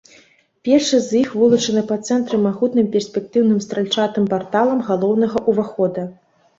Першы з іх вылучаны па цэнтры магутным перспектыўным стральчатым парталам галоўнага ўвахода.